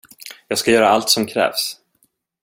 Jag ska göra allt som krävs.